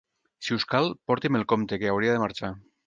Si us cal, porti'm el compte, que hauria de marxar.